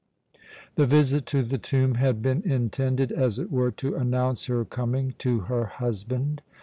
The visit to the tomb had been intended, as it were, to announce her coming to her husband.